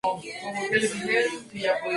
Anteras pequeñas dehiscentes longitudinalmente.